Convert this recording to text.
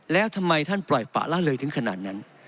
แล้วทำไมท่านปล่อยปะละเลยถึงขนาดนั้น